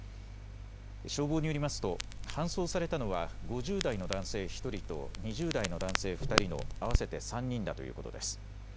消防によりますと搬送されたのは５０代の男性１人と２０代の男性２人の合わせて３人だということです。